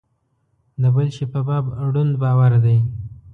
د بل شي په باب ړوند باور دی.